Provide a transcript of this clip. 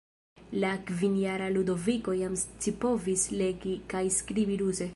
La kvinjara Ludoviko jam scipovis legi kaj skribi ruse.